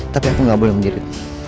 tapi aku gak boleh menjadi